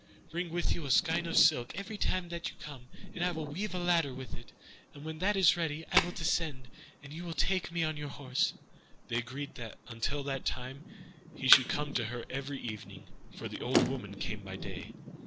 Bring with you a skein of silk every time that you come, and I will weave a ladder with it, and when that is ready I will descend, and you will take me on your horse.' They agreed that until that time he should come to her every evening, for the old woman came by day.